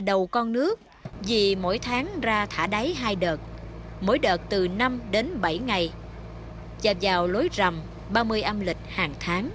đến bảy ngày chạm vào lối rầm ba mươi âm lịch hàng tháng